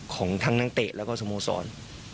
ของทางนักเตะและสโมสร